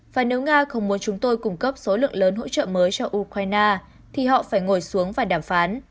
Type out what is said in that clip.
và nếu nga không muốn chúng tôi cung cấp số lượng lớn hỗ trợ mới cho ukraine thì họ phải ngồi xuống và đàm phán